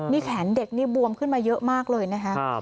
นี่แขนเด็กนี่บวมขึ้นมาเยอะมากเลยนะคะ